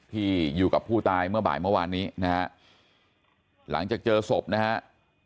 ที่อยู่กับผู้ตายเมื่อบ่ายเมื่อวานนี้นะฮะหลังจากเจอศพนะฮะ